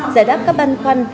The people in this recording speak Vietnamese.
giải đáp các băn khoăn